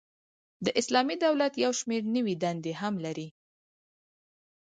د اسلامی دولت یو شمیر نوري دندي هم لري.